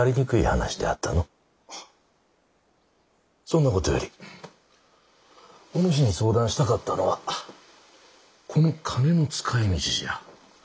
そんな事よりお主に相談したかったのはこの金の使いみちじゃ。